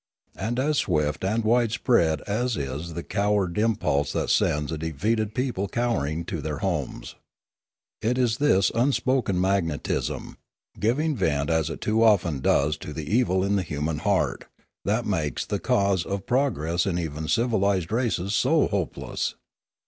And as swift and widespread is the coward impulse that sends a defeated people cowering to their homes. It is this unspoken magnetism, giving vent as it too often does to the evil in the human heart, that makes the cause of 299 300 Limanora progress in even civilised races so hopeless.